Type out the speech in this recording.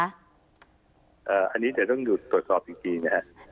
อันนี้เดี๋ยวต้องดูตรวจสอบจริงนะครับ